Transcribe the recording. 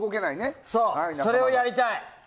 それをやりたい！